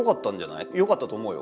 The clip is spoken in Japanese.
よかったと思うよ